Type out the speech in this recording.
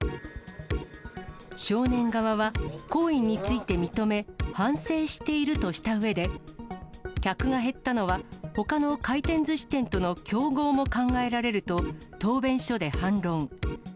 少年側は行為について認め、反省しているとしたうえで、客が減ったのは、ほかの回転ずし店との競合も考えられると、答弁書で反論。